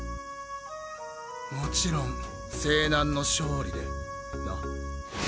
もちろん勢南の勝利でな。